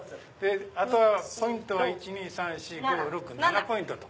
あとはポイントは１・２・３・４・５・６・７ポイント。